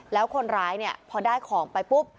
แล้วคนร้ายเนี่ยพอได้ของไปปุ๊บ